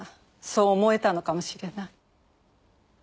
そう思えたのかもしれない。